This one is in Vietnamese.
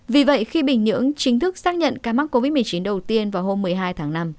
vì vậy khi bình nhưỡng chính thức xác nhận ca mắc covid một mươi chín đầu tiên vào hôm một mươi hai tháng năm